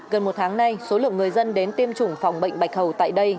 gần một tháng nay số lượng người dân đến tiêm chủng phòng bệnh bạch hầu tại đây